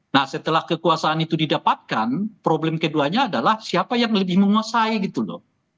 nah setelah kekuasaan itu didapatkan problem keduanya adalah siapa yang lebih menguasai gitu loh